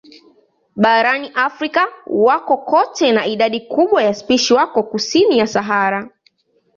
Barani Afrika wako kote na idadi kubwa ya spishi wako kusini ya Sahara.